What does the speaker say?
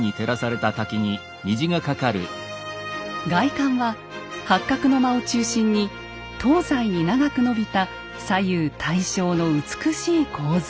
外観は八角の間を中心に東西に長く延びた左右対称の美しい構造。